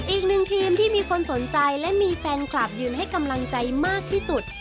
อีกหนึ่งทีมที่มีคนสนใจและมีแฟนคลับยืนให้กำลังใจมากที่สุด